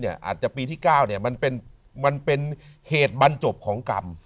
อาจจะปีที่๙มันเป็นเหตุบรรจบของกรรม